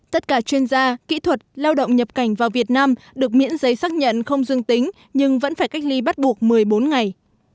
tất cả chuyên gia kỹ thuật lao động nhập cảnh vào việt nam được miễn giấy xác nhận không dương tính nhưng vẫn phải cách ly bắt buộc một mươi bốn ngày